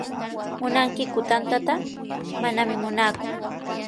¿Munankiku tantata? Manami munaaku.